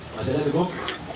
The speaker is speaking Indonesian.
masih ada cukup